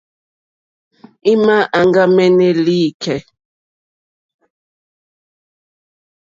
Ì mà áŋɡámɛ́nɛ́ lìkɛ̂.